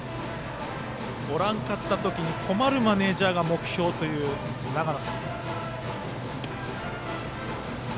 おらんかった時に困るマネージャーが目標という永野さん。